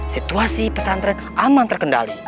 situasi pesantren aman terkendali